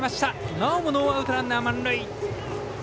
なおもノーアウトランナー、満塁。